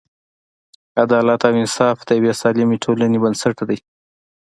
عدالت او انصاف د یوې سالمې ټولنې بنسټ دی.